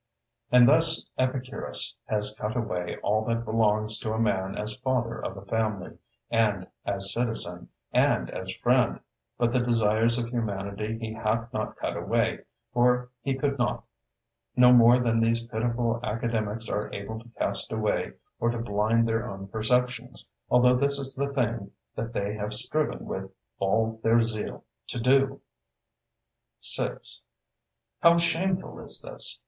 And thus Epicurus has cut away all that belongs to a man as father of a family, and as citizen, and as friend; but the desires of humanity he hath not cut away, for he could not; no more than these pitiful Academics are able to cast away or to blind their own perceptions, although this is the thing that they have striven with all their zeal to do. 6. How shameful is this!